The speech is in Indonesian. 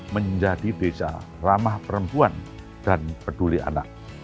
menjadi desa ramah perempuan dan peduli anak